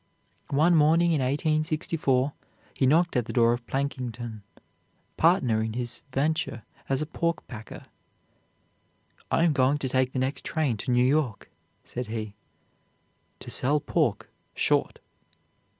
One morning in 1864 he knocked at the door of Plankinton, partner in his venture as a pork packer. "I am going to take the next train to New York," said he, "to sell pork 'short.'